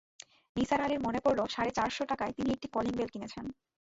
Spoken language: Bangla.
নিসার আলির মনে পড়ল সাড়ে চার শ টাকায় তিনি একটা কলিং বেল কিনেছেন।